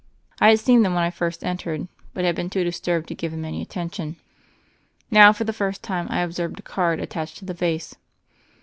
I had seen them when I first entered, but had been too disturbed to give them any attention. Now, for the first time, I observed a card at tached to the vase.